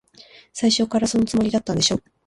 最初っから、そのつもりだったんでしょ。